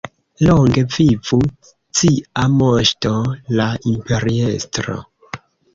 Longe vivu cia Moŝto, la Imperiestro!